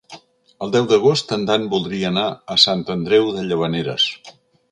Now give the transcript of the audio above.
El deu d'agost en Dan voldria anar a Sant Andreu de Llavaneres.